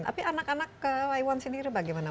tapi anak anak ke taiwan sendiri bagaimana